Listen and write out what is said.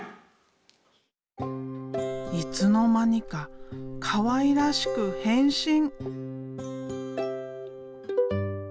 いつの間にかかわいらしく変身。